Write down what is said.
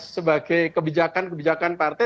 sebagai kebijakan kebijakan partai